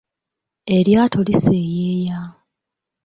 Eryato liseyeeya.